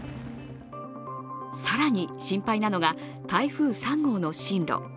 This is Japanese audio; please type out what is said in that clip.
更に、心配なのが台風３号の進路。